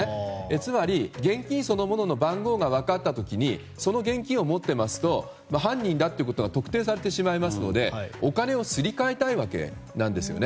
つまり現金そのものの番号が分かった時にその現金を持っていますと犯人だということが特定されてしまいますのでお金をすり替えたいわけなんですよね。